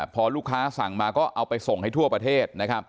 พอลูกค้าสั่งมาก็เอาไปส่งให้ทั่วประเทศ